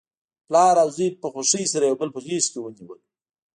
پلار او زوی په خوښۍ سره یو بل په غیږ کې ونیول.